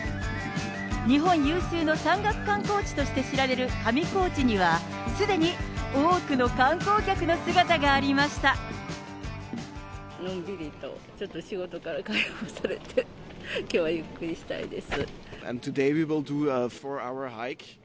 日本有数の山岳観光地として知られる上高地には、すでに多くの観のんびりと、ちょっと仕事から解放されて、きょうはゆっくりしたいです。